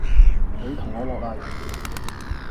你同我落黎!